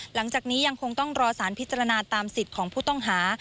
หลังจากนี้ยังคงต้องรอสารพิจารณาตามสิทธิ์ของผู้ต้องหา